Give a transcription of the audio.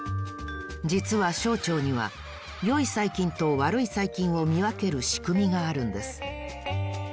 じつは小腸にはよい細菌とわるい細菌をみわけるしくみがあるんです。